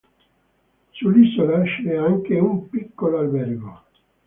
Sull'isola c'è anche un piccolo albergo.